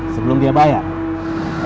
sebelum dia bayar